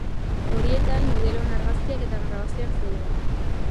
Horietan modeloen argazkiak eta grabazioak zeuden.